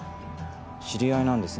知り合いなんですね